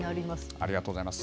ありがとうございます。